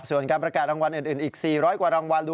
ส่วนการประกาศรางวัลอื่นอีก๔๐๐กว่ารางวัล